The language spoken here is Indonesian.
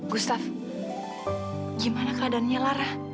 gustaf gimana keadaannya lara